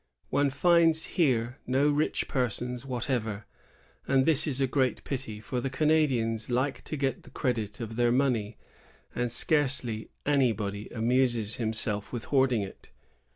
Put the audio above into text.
One finds here no rich persons whatever, and this is a great pity; for the Canadians like to get the credit of their money, and scarcely anybody amuses himself with hoarding it.